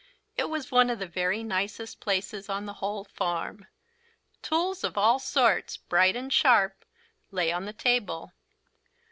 It was one of the very nicest places on the whole farm. Tools of all sorts, bright and sharp, lay on the table.